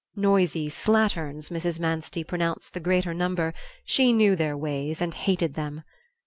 Noisy slatterns, Mrs. Manstey pronounced the greater number; she knew their ways and hated them.